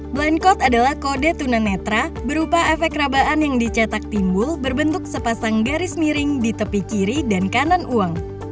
blind code adalah kode tunanetra berupa efek rabaan yang dicetak timbul berbentuk sepasang garis miring di tepi kiri dan kanan uang